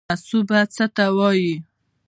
مصوبه څه ته وایي؟